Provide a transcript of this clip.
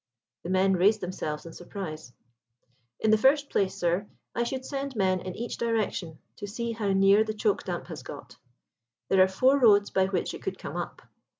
The men raised themselves in surprise. "In the first place, sir, I should send men in each direction to see how near the choke damp has got. There are four roads by which it could come up.